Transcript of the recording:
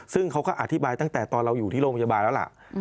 ซึ่งเขาก็อธิบายตั้งแต่ตอนเราอยู่ที่โรงพยาบาลแล้วล่ะ